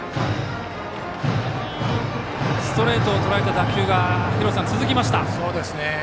ストレートをとらえた打球が続きました。